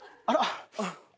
あら？